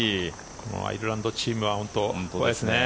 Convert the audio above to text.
このアイルランドチームは本当に怖いですね。